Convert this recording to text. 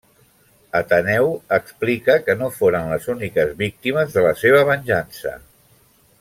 Ateneu explica que no foren les úniques víctimes de la seva venjança.